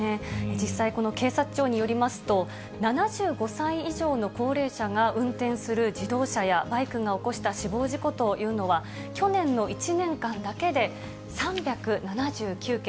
実際、この警察庁によりますと、７５歳以上の高齢者が運転する自動車やバイクが起こした死亡事故というのは、去年の１年間だけで３７９件。